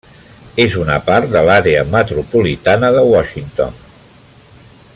És una part de l'Àrea Metropolitana de Washington.